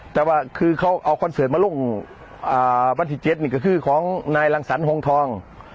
แต่ว่าคือเขาเอาคอนเสิร์ตมาลงวันที่๗นี่ก็คือของนายรังสรรคงทอง